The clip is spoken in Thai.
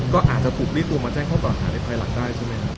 ก็อาจจะถูกเรียกตัวมาแจ้งข้อกล่าวหาในภายหลังได้ใช่ไหมครับ